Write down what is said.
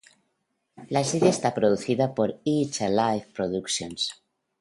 La serie está producida por It's a Laugh Productions.